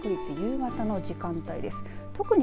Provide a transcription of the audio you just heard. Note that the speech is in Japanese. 夕方の時間帯です。